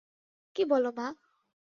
কী বল মা?